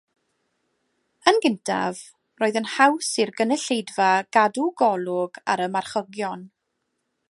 Yn gyntaf roedd yn haws i'r gynulleidfa gadw golwg ar y marchogion.